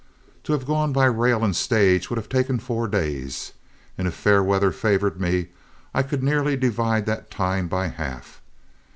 To have gone by rail and stage would have taken four days, and if fair weather favored me I could nearly divide that time by half.